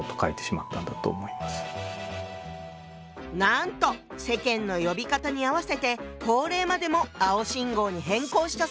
なんと世間の呼び方に合わせて法令までも「青信号」に変更したそうよ。